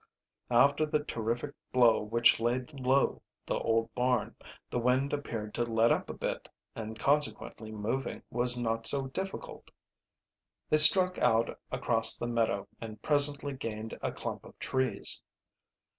After the terrific blow which laid low the old barn, the wind appeared to let up a bit, and consequently moving was not so difficult. They struck out across the meadow, and presently gained a clump of trees.